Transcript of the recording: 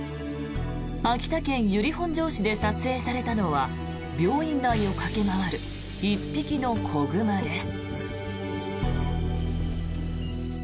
秋田県由利本荘市で撮影されたのは病院内を駆け回る１匹の子熊です。